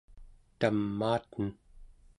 tamaaten